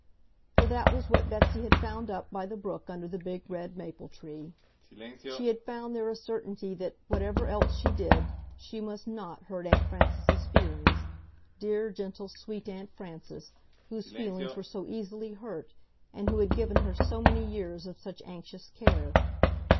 For that was what Betsy had found up by the brook under the big red maple tree. She had found there a certainty that, whatever else she did, she must NOT hurt Aunt Frances's feelings—dear, gentle, sweet Aunt Frances, whose feelings were so easily hurt and who had given her so many years of such anxious care.